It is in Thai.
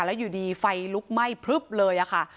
แล้วอยู่ดีไฟลุกไหม้พลึบเลยค่ะ